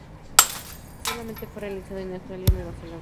Solamente fue realizado en Australia y Nueva Zelanda.